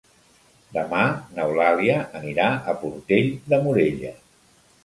Demà n'Eulàlia anirà a Portell de Morella.